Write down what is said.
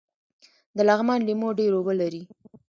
د لغمان لیمو ډیر اوبه لري